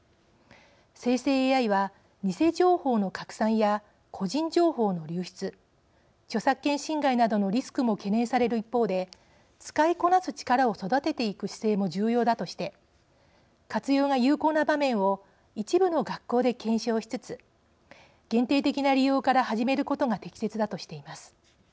生成ＡＩは偽情報の拡散や個人情報の流出著作権侵害などのリスクも懸念される一方で使いこなす力を育てていく姿勢も重要だとして活用が有効な場面を一部の学校で検証しつつ限定的な利用から始めることが適切だとしています。